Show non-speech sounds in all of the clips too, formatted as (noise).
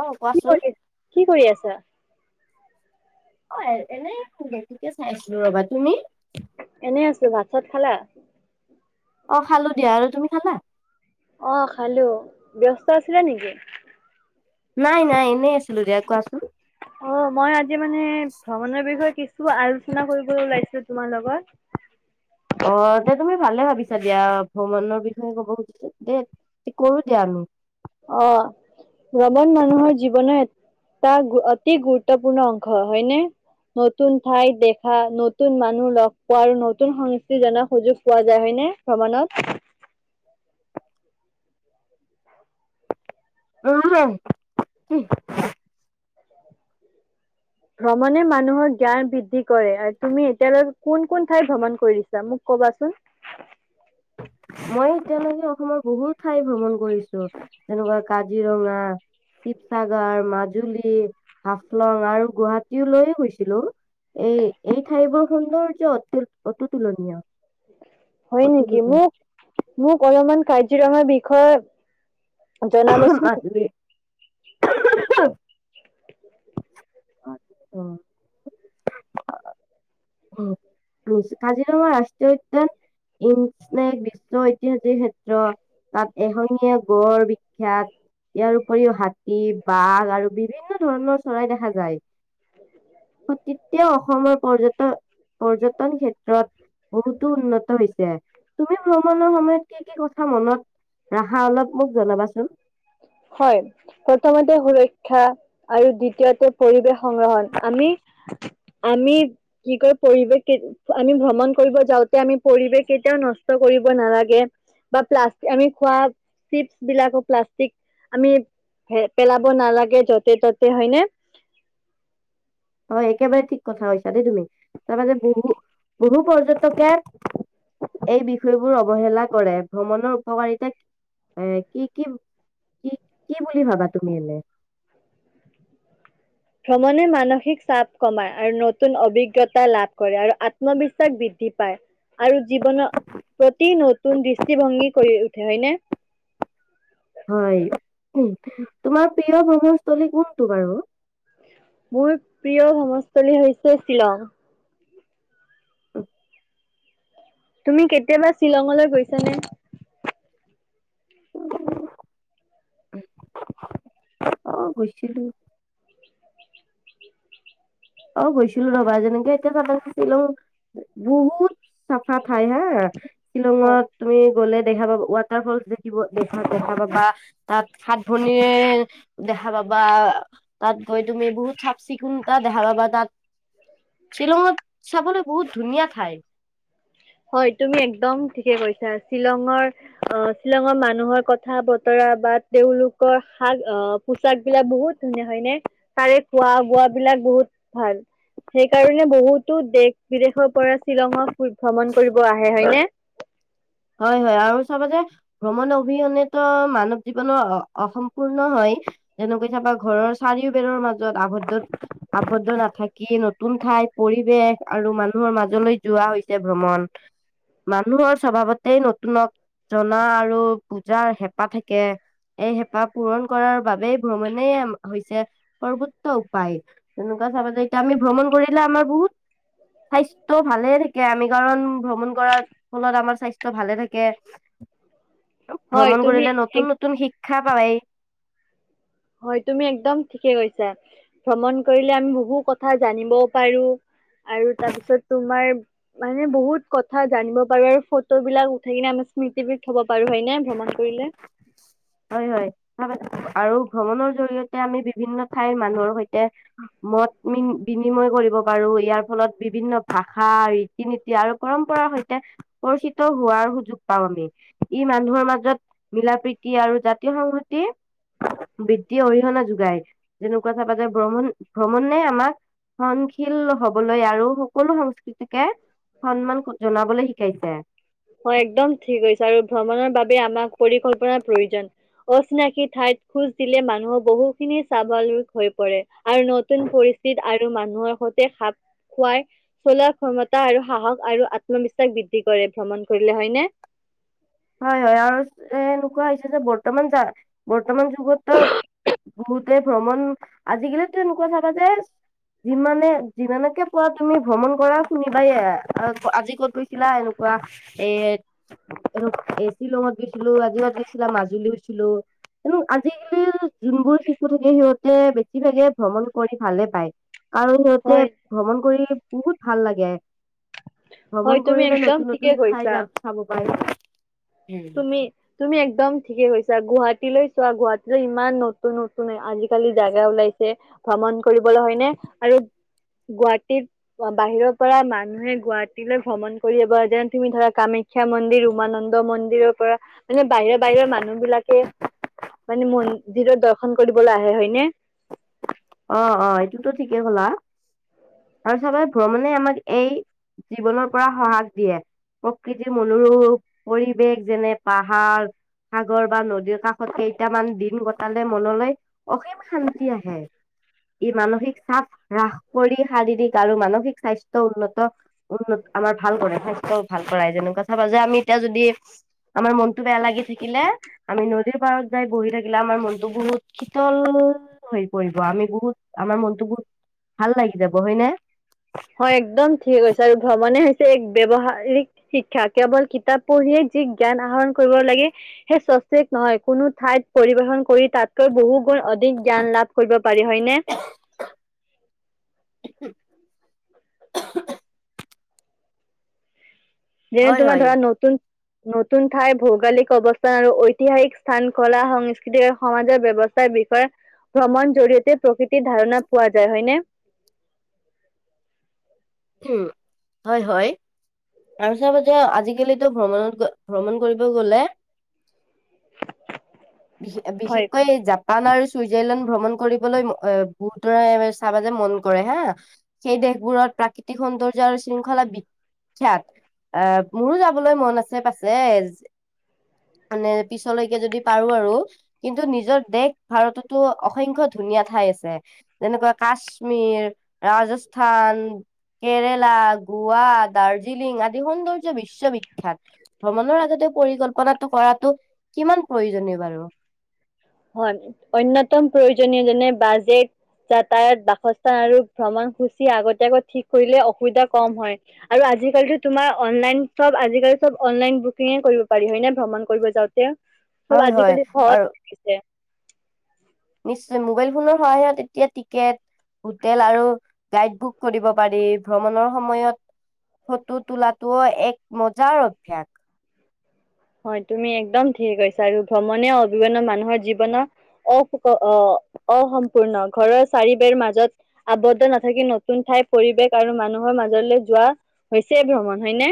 অ কি কোৱাচোন কৰি কি কৰি আছা? অ', এনেই চাই আছিলো ৰবা, তুমি? এনেই আছো, ভাত-চাত খালা? অ', খালো দিয়া, আৰু তুমি খালা? অ', খালো, ব্যস্ত আছিলে নেকি? নাই নাই এনেই আছিলো দিয়া কোৱাচোন? অ', মই আজি মানে, ভ্ৰমণৰ বিষয়ে কিছু আলোচনা কৰিব ওলাইছিলো তোমাৰ লগত। অ', তে তুমি ভালে ভাবিছা দিয়া ভ্ৰমণৰ বিষয়ে ক'ব খুজিছা দেই কৰো দিয়া আমি। অ', ভ্ৰমণ মানুহৰ জীৱনৰ তা অতি গুৰুত্বপূৰ্ণ অংশ, হয়নে? নতুন ঠাইত দেখা, নতুন মানুহ লগ পোৱা, আৰু নতুন সংস্কৃতি জনাৰ সুযোগ পোৱা যায়, হয় নে? ভ্ৰমণত। (unintelligible) ভ্ৰমণে মানুহৰ জ্ঞান বৃদ্ধি কৰে আৰু তুমি এতিয়ালৈকে কোন কোন ঠাই ভ্ৰমণ কৰিছা মোক কবাচোন? মই এতিয়ালৈকে অসমৰ বহুত ঠাই ভ্ৰমণ কৰিছো, যেনেকুৱা কাজিৰঙা শিৱসাগৰ, মাজুলী, হাফলং আৰু গুৱাহাটীলৈও গৈছিলোঁ। এই এই ঠাইবোৰ সুন্দৰ যে অতি হয়', নেকি অতুলনীয় মোক মোক অলপমান কাজিৰঙাৰ বিষয়ে জনাবচোন মাজুলী (unintelligible) কাজিৰঙা ৰাষ্ট্ৰীয় উদ্যান ই' বিশ্ব ঐতিহাসিক ক্ষেত্ৰ তাত এশঙীয়া গড় বিখ্যাত। ইয়াৰ উপৰিও হাতী, বাঘ আৰু বিভিন্ন ধৰণৰ চৰাই দেখা যায়। তেতিয়া অসমৰ পৰ্যটন পৰ্যটন ক্ষেত্ৰত বহুতো উন্নত হৈছে, তুমি ভ্ৰমণৰ সময়ত কি কি কথা মনত ৰাখা অলপ মোক জনাবাচোন। হয়',। প্ৰথমতে সুৰক্ষা আৰু দ্বিতীয়তে পৰিৱেশ সংগ্ৰহণ আমি আমি কি কয় পৰিৱেশ আমি ভ্ৰমণ কৰিব যাওঁতে আমি পৰিৱেশ কেতিয়াও নষ্ট কৰিব নালাগে। বা প্লাষ্টিক আমি খোৱা চিপছ বিলাকো প্লাষ্টিক আমি হে পেলাব নালাগে য'তে ততে হয়নে? হয় একেবাৰে ঠিক কথা কৈছা দেই তুমি তাৰ মনে বহু বহু পৰ্যটকে এই বিষয়বোৰ অৱহেলা কৰে ভ্ৰমণৰ উপকাৰিতা এ কি কি কি, কি বুলি ভাবা তুমি এনে? ভ্ৰমণে মানসিক চাপ কমাই আৰু নতুন অভিজ্ঞতা লাভ কৰে, আত্মবিশ্বাস বৃদ্ধি পায়। আৰু জীৱনৰ প্ৰতি নতুন দৃষ্টিভংগী কৰি উঠে হয় নে? হয়, উম, তোমাৰ প্ৰিয় ভ্ৰমণস্থলী কোনটো বাৰু? মোৰ প্ৰিয় ভ্ৰমণস্থলী হৈছে শ্বিলং। (unintelligible) তুমি কেতিয়াবা শ্বিলঙলৈ গৈছা নে? অ', গৈছিলো। অ', গৈছিলো ৰবা, যেনেকে এতিয়া চা, শ্বিলং বহুত চাফা ঠাই হা, শিলংত হয়। তুমি গ'লে দেখা পাবা ৱাত ফল দেখিব দেখিব পাবা, সাত ভনীয়ে দেখা পাবা, তাত গৈ তুমি বহুত চাফ চিকুণ তাত দেখা পাবা তাত, শ্বিলঙত চাবলৈ বহুত ধুনীয়া ঠাই হয়, তুমি একদম ঠিকে কৈছা, শ্বিলঙৰ আহ, শ্বিলঙৰ মানুহৰ কথা বতৰা বা তেওঁলোকৰ শাক আহ পোচাক বিলাক বহুত ধুনীয়া হয় নে, তাৰে খোৱা বোৱাবিলাক বহুত ভাল। সেই কাৰণে বহুতো দেশ বিদেশৰ পৰা শ্বিলঙক ভ্ৰমণ কৰিব আহে হয়নে? হয়, হয় আৰু চাব যে ভ্ৰমণ অবিহনেতো, মানৱ জীৱনৰ অসম্পূৰ্ণ হয়। যেনেকৈ কেতিয়াবা ঘৰৰ চাৰিও বেৰৰ মাজত আবদ্ধ আৱদ্ধ নাথাকি, নতুন ঠাই পৰিৱেশ আৰু মানুহৰ মাজলৈ যোৱা হৈছে ভ্ৰমণ। মানুহৰ স্বভাৱতে নতুনক জনা আৰু বুজাৰ হেঁপাহ থাকে। এই হেঁপাহ পূৰণ কৰাৰ বাবেই ভ্ৰমণেই হৈছে সৰ্বোচ্চ উপায়। তেনেকুৱা চাবা যায়, এতিয়া আমি ভ্ৰমণ কৰিলে আমাৰ বহুত স্বাস্থ্য ভালে থাকে আমি কাৰণ, ভ্ৰমণ কৰাৰ ফলত আমাৰ স্বাস্থ্য ত' ভালে থাকে, হয় ভ্ৰমণ তুমি কৰিলে এক নতুন, নতুন শিক্ষা পায়। হয়, তুমি একদম ঠিকে কৈছা, ভ্ৰমণ কৰিলে আমি বহু কথা জানিবও পাৰো আৰু তাৰপিছত তোমাৰ মানে বহুত কথা জানিব পাৰো আৰু ফটো বিলাক উঠাই কিনে আমাৰ স্মৃতি বিধ থ'ব পাৰো হয়নে, ভ্ৰমণ কৰিলে। হয়, হয়। আৰু ভ্ৰমণৰ জৰিয়তে আমি বিভিন্ন ঠাইৰ মানুহৰ সৈতে মত বিনিময় কৰিব পাৰো, ইয়াৰ ফলত বিভিন্ন ভাষা ৰীতি-নীতি আৰু পৰম্পৰাৰ সৈতে পৰিচিত হোৱাৰ সুযোগ পাওঁ আমি, ই মানুহৰ মাজত মিলা-প্ৰীতি আৰু জাতীয় সংহতি বৃদ্ধি অৰিহণা যোগায়, যেনেকুৱা চাবা, যে ভ্ৰমণ, ভ্ৰমণে আমাক সহনশীল হ'বলৈ আৰু সকলো সংস্কৃতিকে, সন্মান জনাবলৈ শিকাইছে। হয়, একদম ঠিক কৈছা আৰু ভ্ৰমণৰ বাবে পৰিকল্পনাৰ প্ৰয়োজন। অচিনাকি ঠাইত খোজ দিলে মানুহৰ বহুখিনি স্বাৱলু হৈ পৰে, আৰু নতুন পৰি (unintelligible) আৰু মানুহৰ সৈতে খাপ খোৱাৰ চলোৱা ক্ষমতা আৰু সাহস আৰু আত্মবিশ্বাস বৃদ্ধি কৰে ভ্ৰমণ কৰিলে, হয়নে? হয়, হয় আৰু এ, এনেকুৱা হৈছে যে বৰ্তমান, যা, বৰ্তমান যুগতো বহুতে ভ্ৰমণ, আজিকালিতো এনেকুৱা চাবা যে যিমানে, যিমানকে পোৱা তুমি ভ্ৰমণ কৰা শুনিবা, আজি ক'ত গৈছিলা এনেকুৱা এ, আৰু এ, শ্বিলঙত গৈছিলো (unintelligible) মাজুলী গৈছিলো। এনেও আজিকালি যোনবোৰ শিশু থাকে, সিহঁতে বেছিভাগে ভ্ৰমণ কৰি ভালে পায়। আৰু সিহঁতে হয় ভ্ৰমণ কৰি বহুত ভাল লাগে। হয় ভ্ৰমণ তুমি কৰিলে একদম নতুন, ঠিকে নতুন ঠাই কৈছা যা, চাব পাৰি। তুমি, তুমি একদম ঠিকে কৈছা, গুৱাহাটীলৈ চোৱা, গুৱাহাটীলৈ ইমান নতুন, নতুন আজি কলি জাগা ওলাইছে ভ্ৰমণ কৰিবলৈ হয়নে, আৰু গুৱাহাটীত বাহিৰৰ পৰা মানুহে গুৱাহাটীলৈ ভ্ৰমণ কৰিব যেন তুমি ধৰা কামাখ্যা মন্দিৰ উমানন্দ মন্দিৰ ৰ পৰা মানে বাহিৰৰ বাহিৰৰ মানুহ বিলাকে। মানে মন্দিৰত দৰ্শন কৰিবলৈ আহে হয়নে? অ', অ', এইটোতো ঠিকেই ক'লা আৰু চাবা ভ্ৰমণে আমাক এই জীৱনৰ পৰা সহাক দিয়ে। প্ৰকৃতিৰ মনোৰূপ পৰিৱেশ, যেনে পাহাৰ সাগৰ বা নদীৰ কাষত কেইটামান দিন কটালে মনলৈ অসীম শান্তি আহে। ই মানসিক চাপ হ্ৰাস কৰি শাৰীৰিক আৰু মানসিক স্বাস্থ্য উন্নত উন্নত আমাৰ ভাল কৰে, স্বাস্থ্য ভাল কৰাই যেনেকুৱা চাবা যে আমি এতিয়া যদি আমাৰ মনতটো বেয়া লাগি থাকিলে। আমি নদীৰ পাৰত যাই বহি থাকিলে আমাৰ মনতো বহুত শীতল হৈ পৰিব। আমি বহুত আমাৰ মনতো বহুত ভাল লাগি যাব হয় নে? হয়, একদম ঠিক কৈছা আৰু ভ্ৰমণে হৈছে এক ব্যৱহাৰিক শিক্ষা কেৱল কিতাপ পঢ়িয়ে যি জ্ঞান আহৰণ কৰিব লাগে। সেই চটিক নহয় কোনো ঠাইত পৰিবেশন কৰি তাতকৈ বহু গুণ অধিক জ্ঞান লাভ কৰিব পাৰি হয়নে? (inaudible) যেনে হয় তোমাৰ হয় ধৰা নতুন নতুন ঠাই ভৌগলিক অৱস্থান আৰু ঐতিহাসিক স্থান ক'লা সংস্কৃতিৰে সমাজৰ ব্যৱস্থা ৰ বিষয়ে ভ্ৰমণ জৰিয়তে প্ৰকৃতিৰ ধাৰণা পোৱা যায় হয়নে? উম, হয়, হয়। আৰু চাব যে আজিকালিতো ভ্ৰমণত ভ্ৰমণ কৰিব গ'লে। হয়। বিশেষকৈ জাপ জাপান আৰু চুইজাৰলেণ্ড ভ্ৰমণ কৰিবলৈ বহুতৰে চাব যে মন কৰে হা। সেই দেশবোৰত প্ৰাকৃতিক সৌন্দৰ্য আৰু শৃংখলা বি খ্যাত, মোৰো যাবলৈ মন আছে পাছে। মানে পিছলৈকে যদি পাৰো আৰু। কিন্তু নিজৰ দেশ ভাৰততো অসংখ্য ধুনীয়া ঠাই আছে। যেনেকুৱা কাশ্মীৰ, ৰাজস্থান কেৰেলা, গোৱা, দাৰ্জিলিং আদি সৌন্দৰ্য বিশ্ববিখ্যাত। ভ্ৰমণৰ আগতে পৰিকল্পনাটো কৰাটো কিমান প্ৰয়োজনীয় বাৰু? হয়, অন্যতম প্ৰয়োজনীয় যেনে বাজেট যাতায়ত, বাসস্থান আৰু ভ্ৰমণসূচী আগতীয়াকৈ ঠিক কৰিলে অসুবিধা ক'ম হয়। আৰু আজিকালিতো তোমাৰ অনলাইন চব আজিকালি চব অনলাইন বুকিঙে কৰিব পাৰি হয় নে ভ্ৰমণ কৰিব যাওঁতে? চব হয় হয় আজিকালি সহজ আৰু (unintelligible) গৈছে। নিশ্চয় মোবাইল ফোনৰ সহায়ত এতিয়া টিকেট হোটেল আৰু গাইড বুক কৰিব পাৰি, ভ্ৰমণৰ সময়ত ফটো তোলাটোও এক মজাৰ অভ্যাস। হয়, তুমি একদম ঠিকে কৈছা আৰু ভ্ৰমণে (unintelligible) মানুহৰ জীৱনৰ অস সূ অসম্পূৰ্ণ ঘৰৰ চাৰিবেৰ মাজত আবদ্ধ নাথাকি নতুন ঠাইৰ পৰিৱেশ আৰু মানুহৰ মাজলৈ যোৱা হৈছে ভ্ৰমণ হয়নে?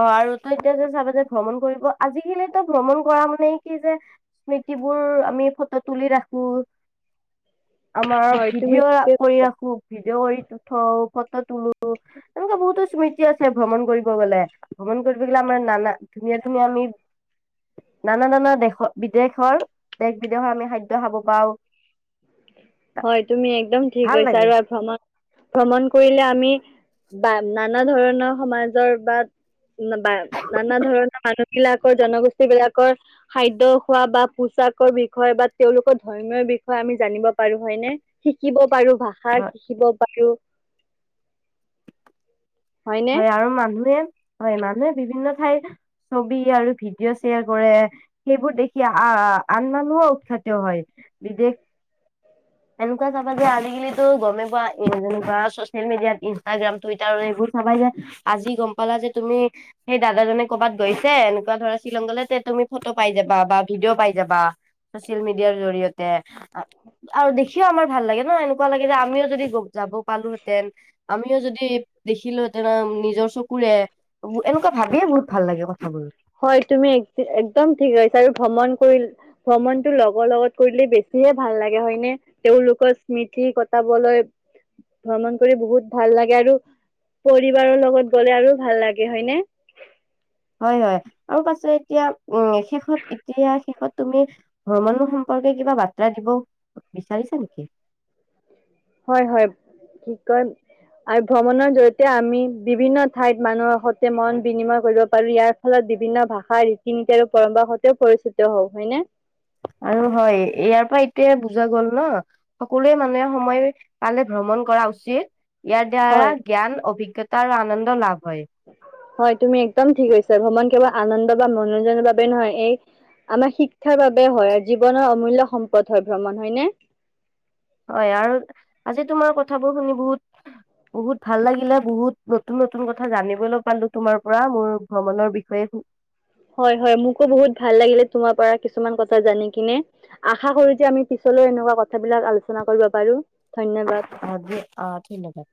অ' আৰু তই এতিয়া যে চাবা যে ভ্ৰমণ কৰিব আজিকালি ভ্ৰমণ কৰা মানে কি যে স্মৃতি বোৰ আমি ফটো তুলি ৰাখো। আমাৰ হয় তুমি ভিডিঅ' ঠিকে কৰি কৈছা। ৰাখো। ভিডঅ কৰি উঠও ফটো তোলো এনেকে বহুতো স্মৃতি কি আছে ভ্ৰমণ কৰিব গ'লে, ভ্ৰমণ কৰিব গ'লে আমাৰ নানা ধুনীয়া ধুনীয়া আমি নান নান দেশৰ বিদেশৰ দেশ বিদেশৰ আমি খাদ্য খাব পাওঁ। হয়। তুমি একদম ঠিক ভাল কৈছা। লাগে আৰু এই ভ্ৰমন ভ্ৰমণ কৰিলে আমি বা নানা ধৰণৰ সমাজৰ বা বা নানা ধৰণৰ মানুহ বিলাকৰ জনগোষ্ঠী বিলাকৰ খাদ্যয় খোৱা বা পোচাকৰ বিষয়ে বা তেওঁলোকৰ ধৰ্মীয়ৰ বিষয়ে আমি জানিব পাৰো হয় নে, শিকিব পাৰো ভাষা হয় শিকিব পাৰো। হয়নে? হয়। আৰু মানুহে হয় মানুহে বিভিন্ন ঠাইৰ ছবি আৰু ভিডিঅ' শ্বেয়াৰ কৰে। সেইবোৰ দেখি আহ আন মানুহো উৎসাহিত হয়। বিদেশ হয়। এনেকুৱা চাবা যে আজিকালিতো গ'মেই পোৱা যেনেকুৱা চচিয়েল মিডিয়াত ইনষ্টাগ্ৰাম টুইটাৰ এইবোৰ চাবা যে আজি গ'ম পালা যে তুমি সেই দাদাজনে ক'ৰবাত গৈছে এনেকুৱা ধৰা শ্বিলংগলে যে তুমি ফটো পাই যাবা বা ভিডিঅ' পাই যাবা। চচিয়েল মিডিয়াৰ জৰিয়তে আৰু দেখিও আমাৰ ভাল লাগে ন, এনেকুৱা লাগে যে আমিও যদি যাব পালোহেঁতেন আমিও যদি দেখিলো নিজৰ চকুৰে এনেকুৱা ভাবিয়ে বহুত ভাল লাগে কথাবোৰ। হয়। তুমি এক একদম ঠিক কৈছা। আৰু ভ্ৰমণ কৰি ভ্ৰমণতটো লগৰ লগত কৰিলে বেছিহে ভাল লাগে হয়নে? তেওঁলোকৰ স্মৃতি কটাবলৈ ভ্ৰমণ কৰি বহুত ভাল লাগে। আৰু পৰিবাৰৰ লগত গ'লে আৰু ভাল লাগে হয়নে। হয়, হয়। আৰু পাছত এতিয়া উ শেষত এতিয়া শেষত তুমি ভ্ৰমণৰ সম্পৰ্কে কিবা বাৰ্তা দিব বিচাৰিছা নেকি? হয়, হয়। কি কয় আৰু ভ্ৰমণৰ জৰিয়তে আমি বিভিন্ন ঠাইত মানুহৰ সৈতে মন বিনিময় কৰিব পাৰো। ইয়াৰ ফলত বিভিন্ন ভাষা ৰীতি নীতি আৰু পৰম্পৰা সৈতেও পৰিচিত হওঁ হয় নে? আৰু হয়, ইয়াৰ পৰা এইটোয়ে বুজা গ'ল ন। সকলো মানুহে সময় পালে ভ্ৰমণ কৰা উচিত। ইয়াৰ দ্বাৰা হয় জ্ঞান অভিজ্ঞতা আৰু আনন্দ লাভ হয়। হয় তুমি একদম ঠিক কৈছা। ভ্ৰমণ কেৱল আনন্দ বা মনোৰঞ্জনৰ বাবে নহয়। এই আমাৰ শিক্ষাৰ বাবে হয়, জীৱনৰ অমূল্য সম্পদ হয় ভ্ৰমণ হয়নে? হয়। আৰু আজি তোমাৰ কথাবোৰ শুনি বহুত বহুত ভাল লাগিলে, বহুত নতুন নতুন কথা জানিবলৈ পালো তোমাৰ পৰা মোৰ ভ্ৰমণৰ বিষয়ে। হয়, হয় মোকো বহুত ভাল লাগিলে তোমাৰ পৰা কিছুমান কথা জানি কিনে। আশা যে আমি পিছলৈও এনেকুৱা কথাবিলাক আলোচনা কৰিব পাৰিম ধন্যবাদ। অ' দে' অ', ধন্যবাদ।